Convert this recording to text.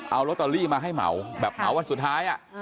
เอาลอตเตอรี่มาให้เหมาแบบเหมาวันสุดท้าย